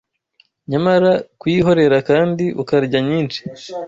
Nyamara, kuyihorera kandi ukarya nyinshi